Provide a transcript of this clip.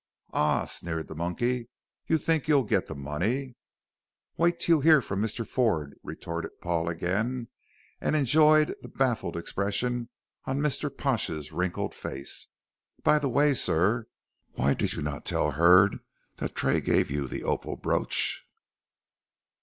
"Ah," sneered the monkey, "you think you'll get the money." "Wait till you hear from Mr. Ford," retorted Paul again, and enjoyed the baffled expression on Mr. Pash's wrinkled face. "By the way, sir, why did you not tell Hurd that Tray gave you the opal brooch?"